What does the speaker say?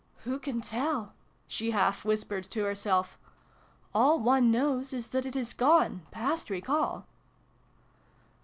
" Who can tell ?" she half whispered to herself. "All one knows is that it is gone past recall